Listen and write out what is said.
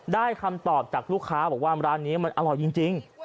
คำตอบจากลูกค้าบอกว่าร้านนี้มันอร่อยจริง